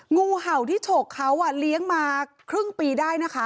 งูเห่าที่ฉกเขาเลี้ยงมาครึ่งปีได้นะคะ